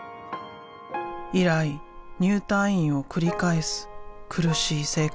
以来入退院を繰り返す苦しい生活が続いた。